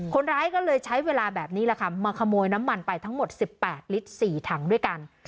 คนร้ายก็เลยใช้เวลาแบบนี้แหละค่ะมาขโมยน้ำมันไปทั้งหมด๑๘ลิตร๔ถังด้วยกัน